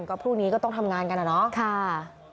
ก็พรุ่งนี้ก็ต้องทำงานกันนะเนอะค่ะค่ะ